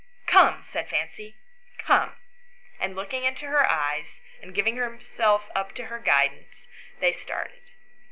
" Come," said Fancy, " come ;" and, looking into her eyes, and giving himself up to her guidance, they started.